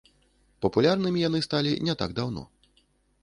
Папулярнымі яны сталі не так даўно.